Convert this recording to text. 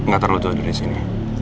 gak terlalu tua dari sini